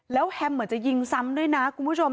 แล้วแฮมเหมือนจะยิงซ้ำด้วยนะคุณผู้ชม